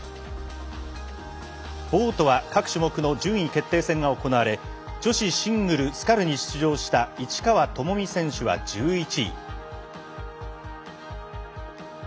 ボートは各種目の順位決定戦が行われ女子シングルスカルに出場した市川友美選手は１１位。